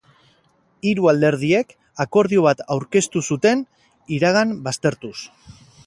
Hiru alderdiek akordio bat aurkeztu zuten iragan baztertuz.